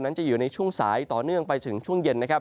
จะอยู่ในช่วงสายต่อเนื่องไปถึงช่วงเย็นนะครับ